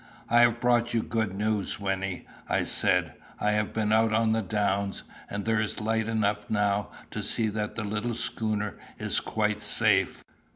"I have brought you good news, Wynnie," I said. "I have been out on the downs, and there is light enough now to see that the little schooner is quite safe."